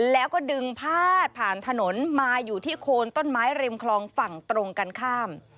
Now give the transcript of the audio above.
แล้วก็ดึงพาดผ่านถนนมาอยู่ที่โคนต้นไม้ริมคลองฝั่งตรงกันข้าม